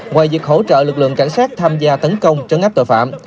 ngoài việc hỗ trợ lực lượng cảnh sát tham gia tấn công trấn áp tội phạm